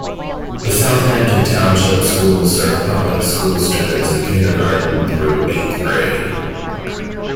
The Southampton Township Schools serve public school students in kindergarten through eighth grade.